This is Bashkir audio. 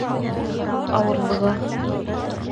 Ауырлығы...